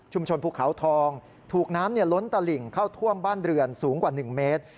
ภูเขาทองถูกน้ำล้นตลิ่งเข้าท่วมบ้านเรือนสูงกว่า๑เมตร